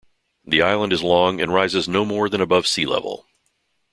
The island is long and rises no more than above sea level.